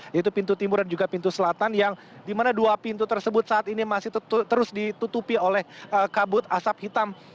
yaitu pintu timur dan juga pintu selatan yang dimana dua pintu tersebut saat ini masih terus ditutupi oleh kabut asap hitam